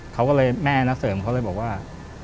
เขาก็เลยแม่นะเสริมเขาเลยบอกว่า